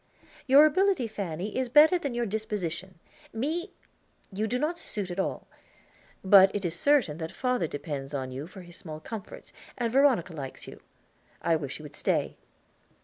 "Your ability, Fanny, is better than your disposition. Me, you do not suit at all; but it is certain that father depends on you for his small comforts, and Veronica likes you. I wish you would stay."